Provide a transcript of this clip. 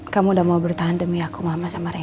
kamu udah mau bertahan demi aku mama sama rei